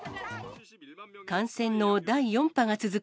感染の第４波が続く